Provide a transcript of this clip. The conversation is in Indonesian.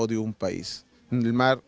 bukan dari satu negara